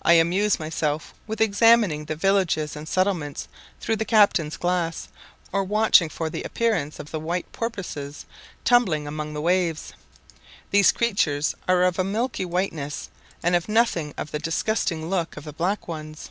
I amuse myself with examining the villages and settlements through the captain's glass, or watching for the appearance of the white porpoises tumbling among the waves. These creatures are of a milky whiteness, and have nothing of the disgusting look of the black ones.